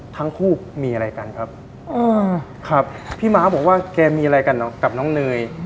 ทั้งคู่มีอะไรกันครับครับพี่ม้าบอกว่าแกมีอะไรกันกับน้องเนย